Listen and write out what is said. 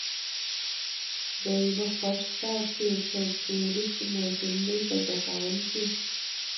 دی به خوښ ساتې تر ټولو چي مهم دی په جهان کي